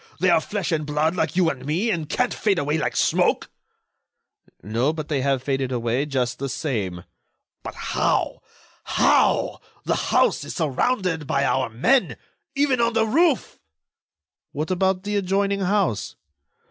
They are flesh and blood like you and me, and can't fade away like smoke." "No, but they have faded away just the same." "But how? How? The house is surrounded by our men—even on the roof." "What about the adjoining house?"